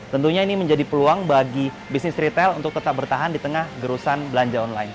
tentunya ini menjadi peluang bagi bisnis retail untuk tetap bertahan di tengah gerusan belanja online